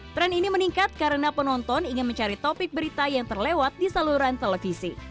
tren ini meningkat karena penonton ingin mencari topik berita yang terlewat di saluran televisi